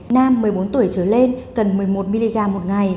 nam một mươi bốn tuổi trở lên cần một mươi một mg một ngày